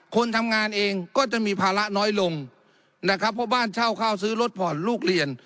คนทำงานเองก็จะมีภาระน้อยลงนะครับเพราะบ้านเช่าข้าวซื้อรถผ่อนลูกเรียน